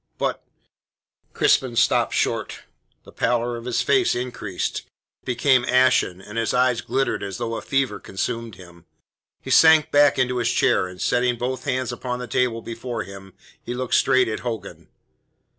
"But " Crispin stopped short. The pallor of his face increased; it became ashen, and his eyes glittered as though a fever consumed him. He sank back into his chair, and setting both hands upon the table before him, he looked straight at Hogan.